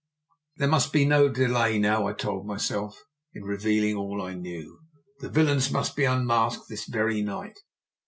There must be no delay now, I told myself, in revealing all I knew. The villains must be unmasked this very night.